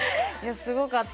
すごかった。